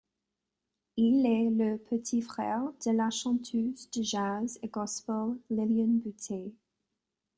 Il est le petit frère de la chanteuse de jazz et gospel Lillian Boutté.